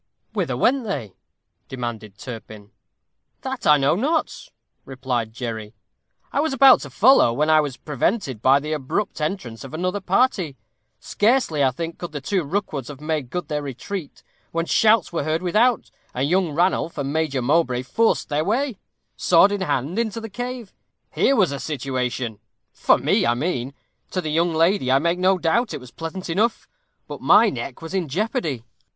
"Whither went they?" demanded Turpin. "That I know not," replied Jerry. "I was about to follow, when I was prevented by the abrupt entrance of another party. Scarcely, I think, could the two Rookwoods have made good their retreat, when shouts were heard without, and young Ranulph and Major Mowbray forced their way, sword in hand, into the cave. Here was a situation for me, I mean to the young lady, I make no doubt, it was pleasant enough. But my neck was in jeopardy.